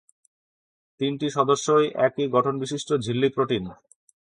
তিনটি সদস্যই একই গঠনবিশিষ্ট ঝিল্লি প্রোটিন।